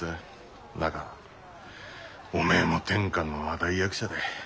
中おめえも天下の名題役者だ。